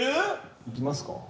いきますか？